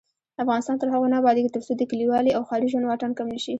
افغانستان تر هغو نه ابادیږي، ترڅو د کلیوالي او ښاري ژوند واټن کم نشي.